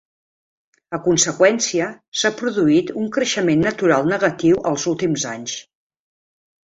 A conseqüència, s'ha produït un creixement natural negatiu als últims anys.